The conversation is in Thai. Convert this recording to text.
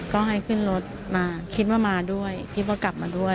ก็ให้ขึ้นรถมาคิดว่ามาด้วยคิดว่ากลับมาด้วย